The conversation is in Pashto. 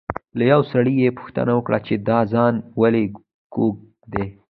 له یوه سړي یې پوښتنه وکړه چې دا ځای ولې کوږ دی.